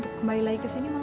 kembali lagi ke sini mau